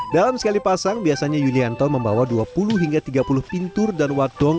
dalam sekali pasang biasanya yulianto membawa dua puluh hingga tiga puluh pintur dan wadong